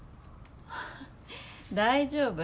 大丈夫。